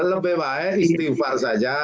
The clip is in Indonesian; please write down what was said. lebih baik istighfar saja